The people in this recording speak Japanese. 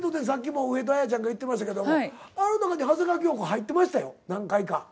さっきも上戸彩ちゃんが言ってましたけどもあの中に長谷川京子入ってましたよ何回か。